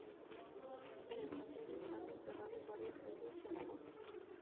En el panteón están enterrados varios reyes de Aragón.